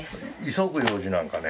急ぐ用事なんかね？